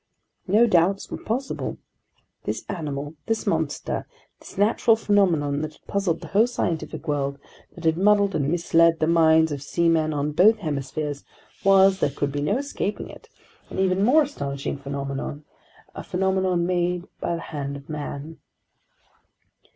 No doubts were possible! This animal, this monster, this natural phenomenon that had puzzled the whole scientific world, that had muddled and misled the minds of seamen in both hemispheres, was, there could be no escaping it, an even more astonishing phenomenon—a phenomenon made by the hand of man.